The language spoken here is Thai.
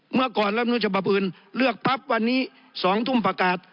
เมื่อก่อนรัฐมนุนฉบับอื่นเลือกปั๊บวันนี้๒ทุ่มประกาศ